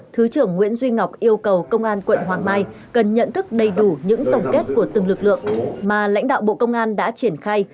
thứ trưởng nguyễn duy ngọc yêu cầu công an quận hoàng mai cần nhận thức đầy đủ những tổng kết của từng lực lượng mà lãnh đạo bộ công an đã triển khai